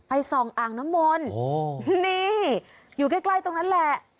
ส่องอ่างน้ำมนต์นี่อยู่ใกล้ตรงนั้นแหละ